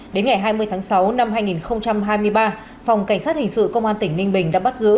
đến ngày hai mươi tháng sáu năm hai nghìn hai mươi ba phòng cảnh sát hình sự công an tỉnh ninh bình đã bắt giữ